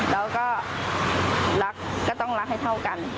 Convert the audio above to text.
แล้วก็รักก็ต้องรักให้เท่ากัน